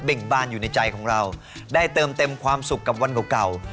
่งบานอยู่ในใจของเราได้เติมเต็มความสุขกับวันเก่า